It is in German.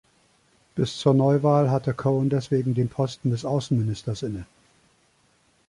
Bis zur Neuwahl hatte Cowen deswegen den Posten des Außenministers inne.